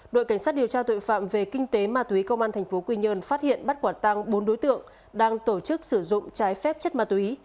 đội cảnh sát điều tra tội phạm về kinh tế ma túy công an tp quy nhơn phát hiện bắt quả tăng bốn đối tượng đang tổ chức sử dụng trái phép chất ma túy